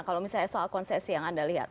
kalau misalnya soal konsesi yang anda lihat